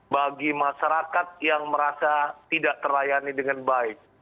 bagi masyarakat yang merasa tidak terlayani dengan baik